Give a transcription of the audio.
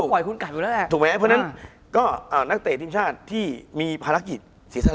คุณผู้ชมบางท่าอาจจะไม่เข้าใจที่พิเตียร์สาร